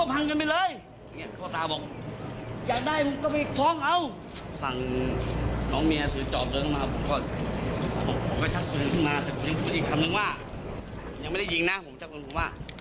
หลุมมึงว่ายังไม่ได้ยิงนะผมชัดกดตรงนี้ผมว่า